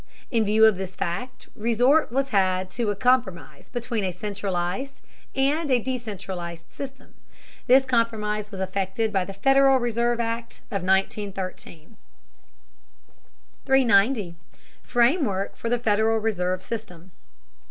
In view of this fact resort was had to a compromise between a centralized and a decentralized system. This compromise was effected by the Federal Reserve Act of 1913. 390. FRAMEWORK OF THE FEDERAL RESERVE SYSTEM.